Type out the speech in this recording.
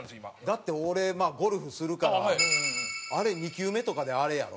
だって俺ゴルフするから２球目とかであれやろ？